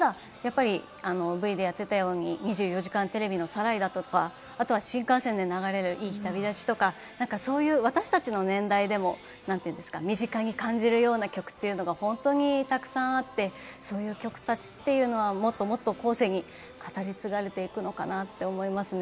ただ、やっぱりＶＴＲでやってたように『２４時間テレビ』の『サライ』とか、新幹線で流れる『いい日旅立ち』とかそういう私達の年代でも身近に感じるような曲というのが本当にたくさんあって、そういう曲たちというのはもっともっと後世に語り継がれていくのかなって思いますね。